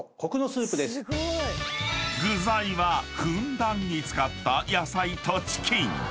［具材はふんだんに使った野菜とチキン］